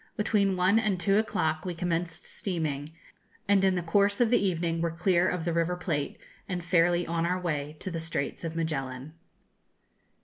Between one and two o'clock we commenced steaming, and in the course of the evening were clear of the River Plate and fairly on our way to the Straits of Magellan.